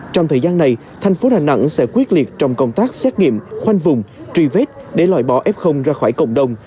trong thời gian này thành phố đà nẵng sẽ quyết liệt trong công tác xét nghiệm khoanh vùng truy vết để loại bỏ f ra khỏi cộng đồng